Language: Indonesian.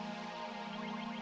kiki tinggal ke dapur ya mas mbak